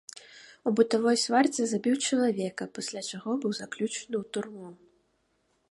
У бытавой сварцы забіў чалавека, пасля чаго быў заключаны ў турму.